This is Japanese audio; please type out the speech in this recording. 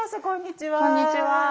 こんにちは。